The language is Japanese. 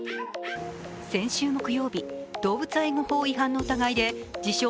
先週木曜日、動物愛護法違反の疑いで自称